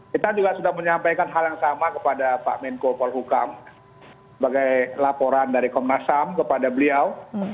kita juga sudah menyampaikan hal yang sama kepada pak menko polhukam sebagai laporan dari komnas ham kepada beliau